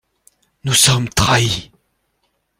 Nous sommes trahis!